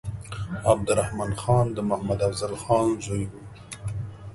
عبدالرحمن خان د محمد افضل خان زوی وو.